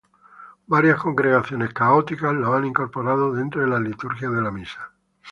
Varias congregaciones católicas lo han incorporado dentro de la liturgia de la misa.